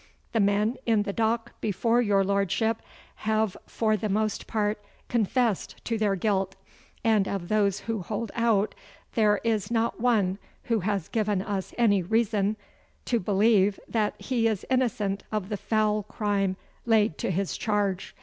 The men in the dock before your Lordship have for the most part confessed to their guilt, and of those who hold out there is not one who has given us any reason to believe that he is innocent of the foul crime laid to his charge.